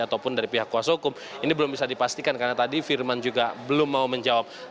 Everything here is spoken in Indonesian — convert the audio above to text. ataupun dari pihak kuasa hukum ini belum bisa dipastikan karena tadi firman juga belum mau menjawab